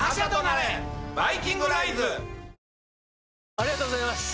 ありがとうございます！